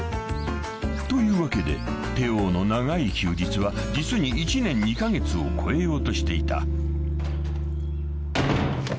［というわけでテイオーの長い休日は実に１年２カ月を超えようとしていた］